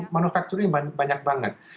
manufacturing banyak banget